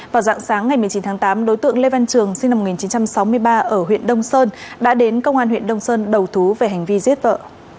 vào dạng sáng ngày một mươi chín tháng tám đối tượng lê văn trường sinh năm một nghìn chín trăm sáu mươi ba ở huyện đông sơn đã đến công an huyện đông sơn đầu thú về hành vi giết vợ